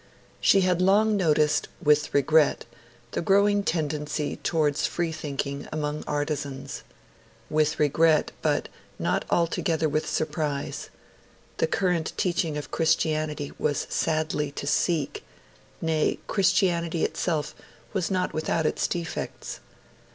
She had long noticed with regret the growing tendency towards free thinking among artisans. With regret, but not altogether with surprise, the current teaching of Christianity was sadly to seek; nay, Christianity itself was not without its defects.